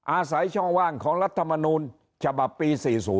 อาศัยช่องว่างของรัฐมนูลฉบับปี๔๐